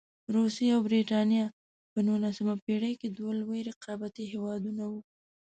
روسیې او برټانیې په نولسمه پېړۍ کې دوه لوی رقیب هېوادونه وو.